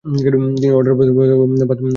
তিনি Order of the Bath পদকে ভূষিত হন।